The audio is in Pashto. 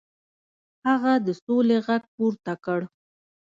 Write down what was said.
هغه د سولې غږ پورته کړ.